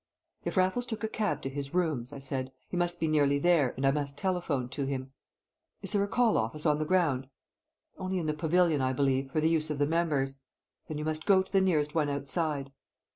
"If Raffles took a cab to his rooms," I said, "he must be nearly there and I must telephone to him." "Is there a call office on the ground?" "Only in the pavilion, I believe, for the use of the members." "Then you must go to the nearest one outside."